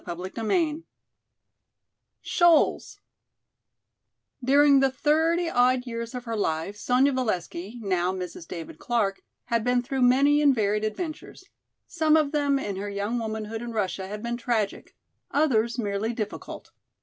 CHAPTER V Shoals DURING the thirty odd years of her life, Sonya Valesky, now Mrs. David Clark, had been through many and varied adventures; some of them, in her young womanhood in Russia, had been tragic, others merely difficult.